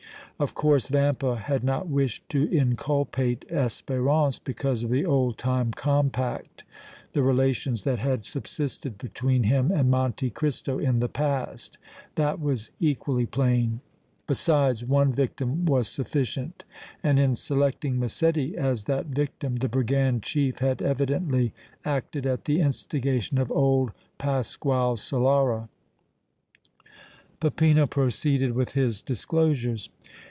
Of course, Vampa had not wished to inculpate Espérance because of the old time compact, the relations that had subsisted between him and Monte Cristo in the past; that was equally plain; besides one victim was sufficient, and in selecting Massetti as that victim the brigand chief had evidently acted at the instigation of old Pasquale Solara. Peppino proceeded with his disclosures.